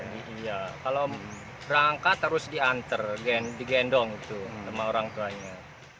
iya kalau berangkat harus diantar digendong itu sama orang tuanya